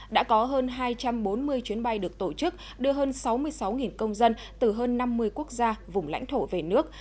đã có hơn hai trăm bốn mươi chuyến bay được tổ chức đưa hơn sáu mươi sáu công dân từ hơn năm mươi quốc gia vùng lãnh thổ về nước